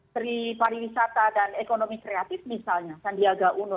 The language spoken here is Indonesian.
tri pariwisata dan ekonomi kreatif misalnya sandiaga uno